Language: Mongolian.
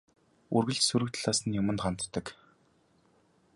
Үргэлж сөрөг талаас нь юманд ханддаг.